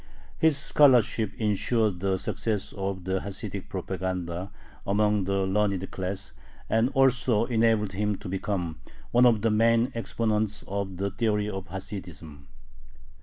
His scholarship insured the success of the Hasidic propaganda among the learned class, and also enabled him to become one of the main exponents of the theory of Hasidism.